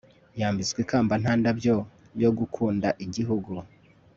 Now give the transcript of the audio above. Yambitswe ikamba nta ndabyo yo gukunda igihugu